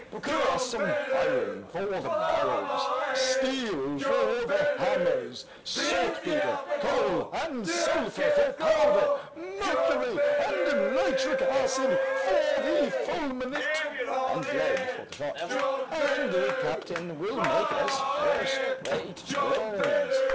Procure us some iron for the barrels, steel for the hammers, saltpeter. coal and sulphur for powder, mercury and nitric acid for the fulminate, and lead for the shot, and the captain will make us first rate guns."